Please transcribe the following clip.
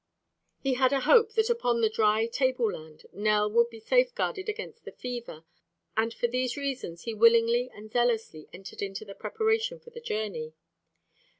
He had a hope that upon the dry tableland Nell would be safeguarded against the fever, and for these reasons he willingly and zealously entered into the preparation for the journey.